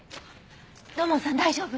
土門さん大丈夫？